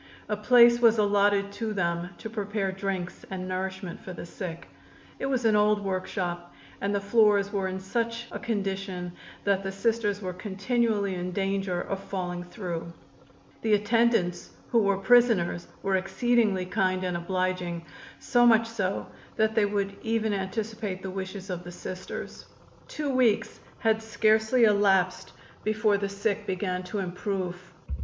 A place was allotted to them to prepare drinks and nourishment for the sick. It was an old workshop, and the floors were in such a condition that the Sisters were continually in danger of falling through. The attendants, who were prisoners, were exceedingly kind and obliging, so much so that they would even anticipate the wishes of the Sisters. Two weeks had scarcely elapsed before the sick began to improve.